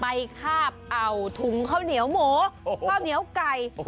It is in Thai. คาบเอาถุงข้าวเหนียวหมูข้าวเหนียวไก่